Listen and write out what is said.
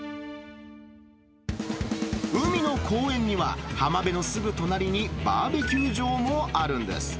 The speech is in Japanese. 海の公園には、浜辺のすぐ隣にバーベキュー場もあるんです。